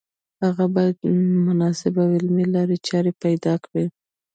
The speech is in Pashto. هغه باید مناسبې او عملي لارې چارې پیدا کړي